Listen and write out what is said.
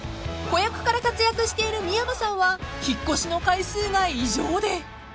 ［子役から活躍している美山さんは引っ越しの回数が異常で］